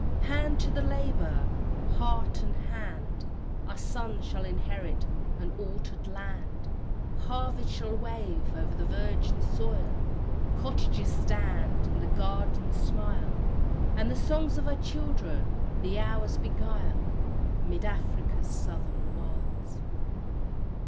"Hand to the labour! heart and hand! Our sons shall inherit an altered land: Harvests shall wave o'er the virgin soil, Cottages stand, and gardens smile, And the songs of our children the hours beguile, 'Mid Afric's Southern Wilds.